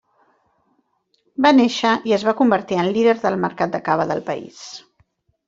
Va néixer i es va convertir en líder del mercat de cava del país.